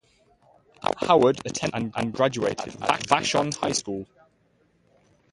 Howard attended and graduated at Vashon High School.